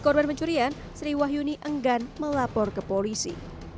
korban pencurian sri wahyuni enggan melapor ke polisi